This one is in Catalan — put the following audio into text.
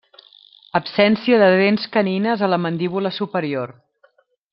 Absència de dents canines a la mandíbula superior.